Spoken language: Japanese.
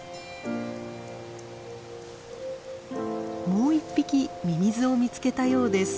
もう１匹ミミズを見つけたようです。